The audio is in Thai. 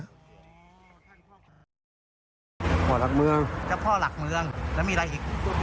ขอหลักเมืองเจ้าพ่อหลักเมืองแล้วมีอะไรอีก